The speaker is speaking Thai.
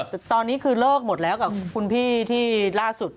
แต่ตอนนี้คือเลิกหมดแล้วกับคุณพี่ที่ล่าสุด